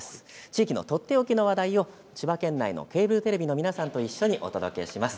地域のとっておきの話題を千葉県内のケーブルテレビの皆さんと一緒にお届けします。